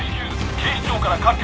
警視庁から各局。